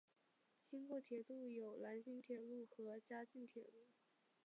经过铁路有兰新铁路和嘉镜铁路。